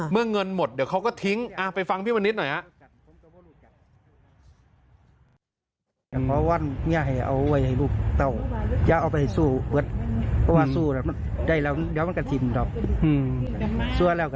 เมื่อเงินหมดเดี๋ยวเขาก็ทิ้งไปฟังพี่มณิชย์หน่อยนะ